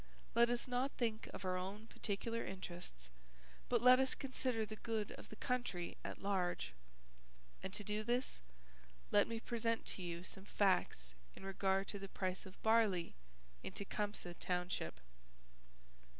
Let us not think of our own particular interests but let us consider the good of the country at large. And to do this, let me present to you some facts in regard to the price of barley in Tecumseh Township."